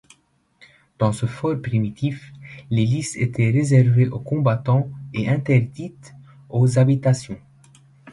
Dans ce fort primitif, les lices était réservées aux combattants et interdites aux habitations.